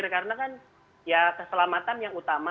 karena kan keselamatan yang utama